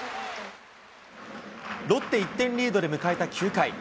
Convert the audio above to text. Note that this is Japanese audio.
ロッテ、１点リードで迎えた９回。